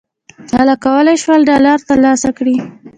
خلکو کولای شول ډالر تر لاسه کړي.